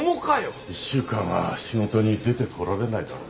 １週間は仕事に出てこられないだろうな。